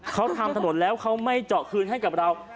เขาทำถนนแล้วเขาไม่เจาะคืนให้กับเรา